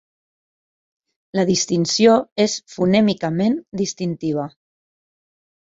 La distinció és fonèmicament distintiva.